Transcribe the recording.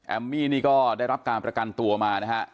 มี่นี่ก็ได้รับการประกันตัวมานะฮะ